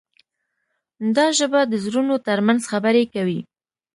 دا ژبه د زړونو ترمنځ خبرې کوي.